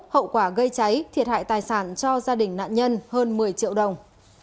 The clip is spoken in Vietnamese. hậu quả gây cháy thiệt hại tài sản cho gia đình nạn nhân hơn một mươi triệu đồng